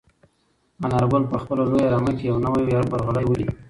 انارګل په خپله لویه رمه کې یو نوی برغلی ولید.